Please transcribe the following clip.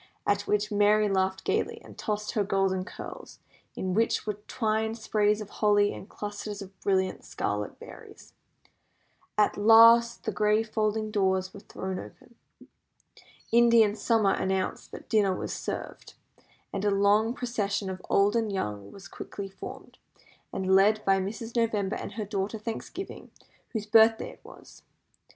At which Merry laughed gaily, and tossed her golden curls, in which were twined sprays of holly and clusters of brilliant scarlet berries. At last the great folding doors were thrown open. Indian summer announced that dinner was served, and a long procession of old and young was quickly formed, and led by Mrs. November and her daughter Thanksgiving, whose birthday it was.